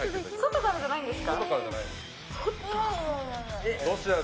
外からじゃないです。